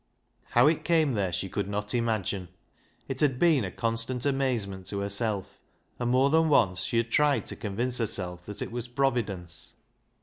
How it came there she could not imagine. It had been a constant amazement to herself, and more than once she had tried to convince herself that it was Providence.